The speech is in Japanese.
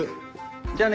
じゃあね